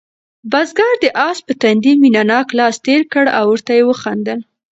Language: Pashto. بزګر د آس په تندي مینه ناک لاس تېر کړ او ورته ویې خندل.